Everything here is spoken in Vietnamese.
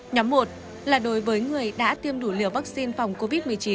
nhóm một là đối với người đã tiêm đủ liều vaccine phòng covid một mươi chín